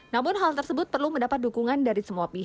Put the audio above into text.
namun hal tersebut perlu mendapat dukungan dari semua pihak